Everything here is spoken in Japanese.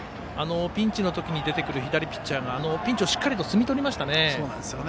ピンチのときに出てくる左ピッチャーがピンチをしっかりと摘み取りましたよね。